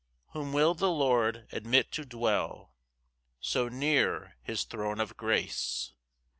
Whom will the Lord admit to dwell So near his throne of grace?